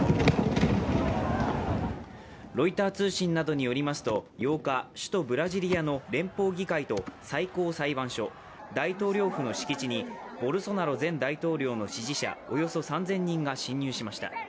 ロイター通信などによりますと８日、首都ブラジリアの連邦議会と最高裁判所、大統領府の敷地にボルソナロ前大統領の支持者、およそ３０００人が侵入しました。